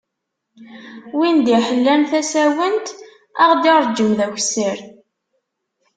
Win d-iḥellan tasawent ad ɣ-d-ireǧǧem d akessar.